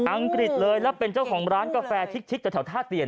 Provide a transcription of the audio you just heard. กฤษเลยแล้วเป็นเจ้าของร้านกาแฟทิกจากแถวท่าเตียน